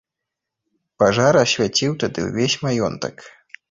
Пажар асвяціў тады ўвесь маёнтак.